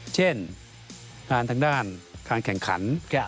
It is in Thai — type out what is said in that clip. เช่นงานทางด้านการแข่งขัน